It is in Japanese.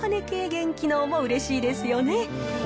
軽減機能もうれしいですよね。